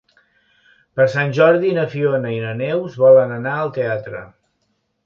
Per Sant Jordi na Fiona i na Neus volen anar al teatre.